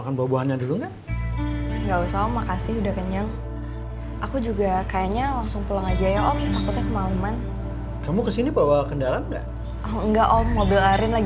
kalian itu harus mengharumkan sekolah